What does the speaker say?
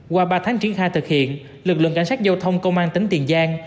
qua ba tháng triển khai thực hiện lực lượng cảnh sát giao thông công an tính tiền gian